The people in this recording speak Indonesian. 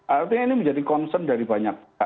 artinya ini menjadi concern dari banyak